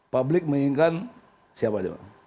public menginginkan siapa aja pak